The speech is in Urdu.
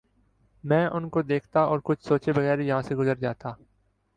میں ان کو دیکھتا اور کچھ سوچے بغیر ہی یہاں سے گزر جاتا